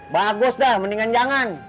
bagus dah mendingan jangan